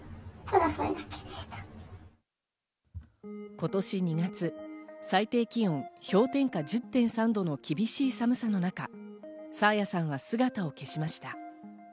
今年２月、最低気温氷点下１０．３度の厳しい寒さの中、爽彩さんは姿を消しました。